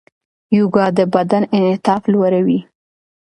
یوګا د بدن انعطاف لوړوي.